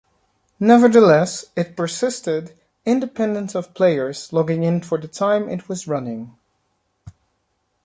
Nevertheless, it persisted independent of players logging in for the time it was running.